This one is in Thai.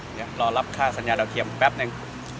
เดี๋ยวรอรับค่าสัญญาดาวเทียมแป๊บนึง